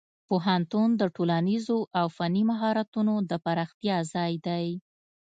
پوهنتون د ټولنیزو او فني مهارتونو د پراختیا ځای دی.